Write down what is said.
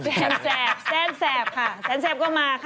แซนแสบแซนแสบค่ะแสนแสบก็มาค่ะ